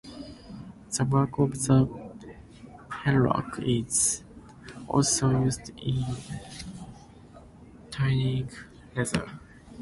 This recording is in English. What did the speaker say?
The bark of the hemlock is also used in tanning leather.